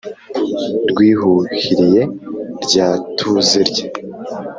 Rwihuhiriye rya tuze rye